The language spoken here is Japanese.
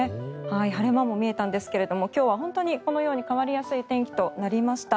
晴れ間も見えたんですがこのように今日は変わりやすい天気となりました。